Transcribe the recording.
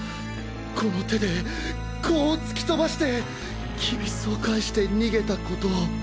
この手でこう突き飛ばして踵を返して逃げたことを。